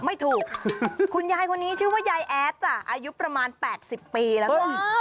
ไม่ถูกคุณยายคนนี้ชื่อว่ายายแอดจ้ะอายุประมาณ๘๐ปีแล้วนะ